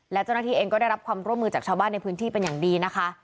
และเจ้าหน้าที่เองก็ได้รับความร่วมมือจากชาวบ้านในพื้นที่เป็นอย่างดีนะคะ